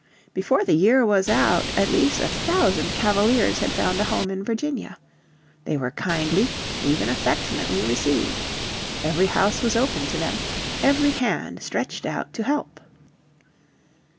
Before the year was out at least a thousand Cavaliers had found a home in Virginia. They were kindly, even affectionately, received. Every house was open to them, every hand stretched out to help.